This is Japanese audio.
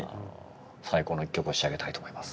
最高の一曲を仕上げたいと思います。